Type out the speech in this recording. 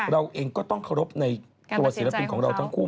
เราเองก็ต้องเคารพในตัวศิลปินของเราทั้งคู่